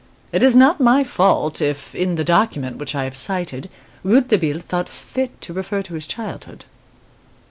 It is not my fault if, in the document which I have cited, Rouletabille thought fit to refer to his childhood.